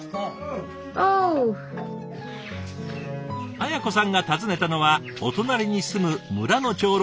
文子さんが訪ねたのはお隣に住む村の長老